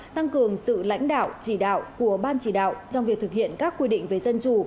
tăng cường sự lãnh đạo chỉ đạo của ban chỉ đạo trong việc thực hiện các quy định về dân chủ